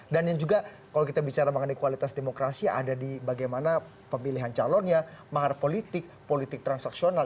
dan yang juga kalau kita bicara mengenai kualitas demokrasi ada di bagaimana pemilihan calonnya mahar politik politik transaksional